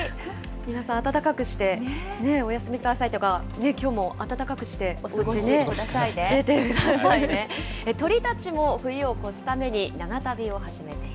皆さん、暖かくしておやすみくださいとか、きょうも暖かくしてお過ごしください。